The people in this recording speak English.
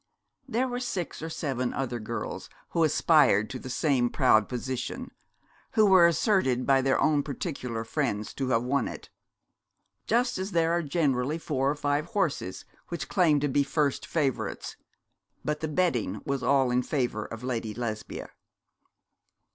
There were six or seven other girls who aspired to the same proud position, who were asserted by their own particular friends to have won it; just as there are generally four or five horses which claim to be first favourites; but the betting was all in favour of Lady Lesbia.